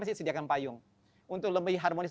masih sediakan payung untuk lebih harmonis